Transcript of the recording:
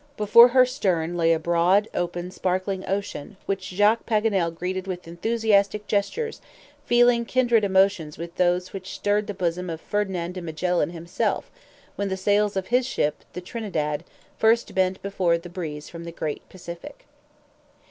Before her stem lay a broad, open, sparkling ocean, which Jacques Paganel greeted with enthusiastic gestures, feeling kindred emotions with those which stirred the bosom of Ferdinand de Magellan himself, when the sails of his ship, the TRINIDAD, first bent before the breeze from the great Pacific.